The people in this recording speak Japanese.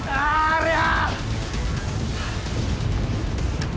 おりゃ！